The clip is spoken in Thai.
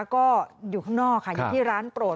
ก็อยู่ข้างนอกค่ะอยู่ที่ร้านโปรด